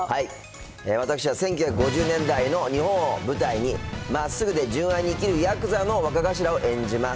私は１９５０年代の日本を舞台に、まっすぐで純愛に生きるやくざの若頭を演じます。